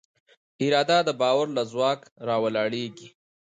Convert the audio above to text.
اراده د باور له ځواک راولاړېږي.